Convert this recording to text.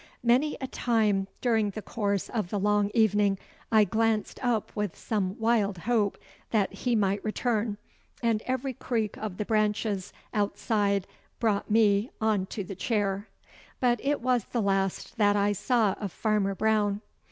Many a time during the course of the long evening I glanced up with some wild hope that he might return, and every creak of the branches outside brought me on to the chair, but it was the last that I saw of Farmer Brown.